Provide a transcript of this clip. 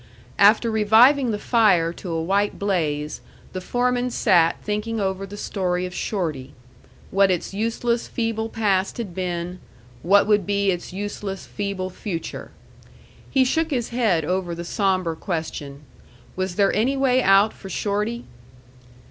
After reviving the fire to a white blaze, the foreman sat thinking over the story of Shorty: what its useless, feeble past had been; what would be its useless, feeble future. He shook his head over the sombre question, Was there any way out for Shorty?